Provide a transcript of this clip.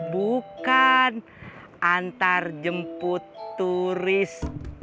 bukan antarjemput turis